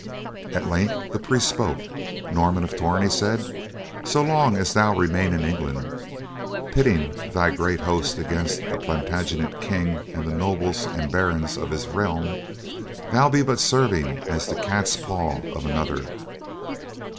At length the priest spoke. "Norman of Torn," he said, "so long as thou remain in England, pitting thy great host against the Plantagenet King and the nobles and barons of his realm, thou be but serving as the cats paw of another.